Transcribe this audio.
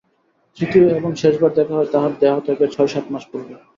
তৃতীয় এবং শেষবার দেখা হয় তাঁহার দেহত্যাগের ছয়-সাত মাস পূর্বে।